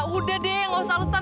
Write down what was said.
udah deh nggak usah alesan